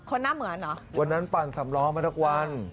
หน้าเหมือนเหรอวันนั้นปั่นสำล้อมาทุกวัน